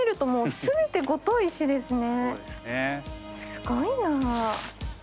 すごいな。